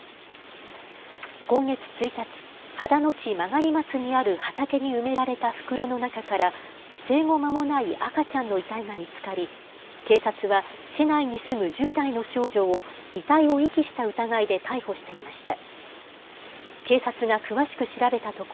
今月１日、秦野市曲松にある畑に埋められた袋の中から生後まもない赤ちゃんの遺体が見つかり警察は市内に住む１０代の少女を遺体を遺棄した疑いで逮捕していました。